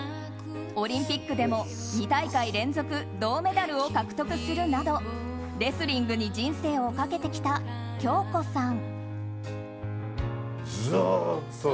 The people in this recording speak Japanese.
オリンピックでも、２大会連続銅メダルを獲得するなどレスリングに人生をかけてきた京子さん。